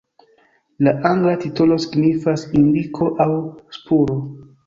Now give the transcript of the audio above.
La angla titolo signifas "indiko" aŭ "spuro".